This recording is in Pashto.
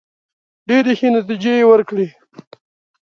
ډېري ښې نتیجې وورکړې.